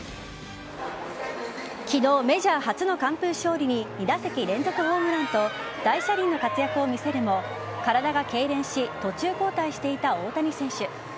昨日、メジャー初の完封勝利に２打席連続ホームランと大車輪の活躍を見せるも体がけいれんし途中交代していた大谷選手。